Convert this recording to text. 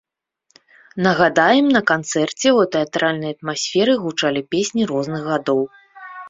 Нагадаем, на канцэрце, у тэатральнай атмасферы гучалі песні розных гадоў.